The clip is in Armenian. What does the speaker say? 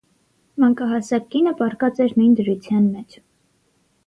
Մանկահասակ կինը պառկած էր նույն դրության մեջ: